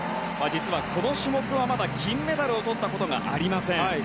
実はこの種目はまだ金メダルをとったことがありません。